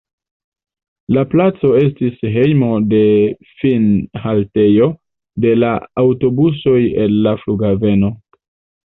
La placo estis hejmo de finhaltejo de la aŭtobusoj el la flughaveno.